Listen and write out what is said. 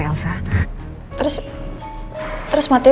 ini dulu sebenernya gue